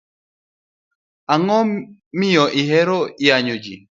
Ango miyo ihero yanyo jii?